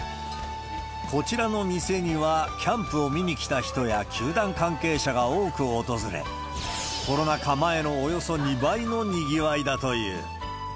こちらの店にはキャンプを見に来た人や球団関係者が多く訪れ、コロナ禍前のおよそ２倍のにぎわいだという。